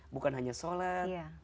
bukan hanya sholat